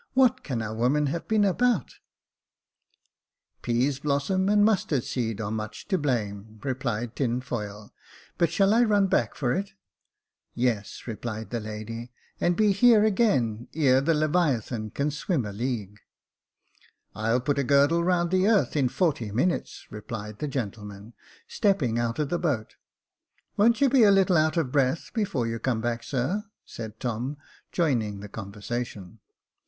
What can our women have been about ?"" Pease blossom and Mustard seed are much to blame," replied Tinfoil ;" but shall I run back for it ?"'* Yes," replied the lady, " and be here again, ere the leviathan can swim a league." *' I'll put a girdle round the earth in forty minutes," re plied the gentleman, stepping out of the boat. "Won't you be a little out of breath before you come back, sir ?" said Tom, joining the conversation.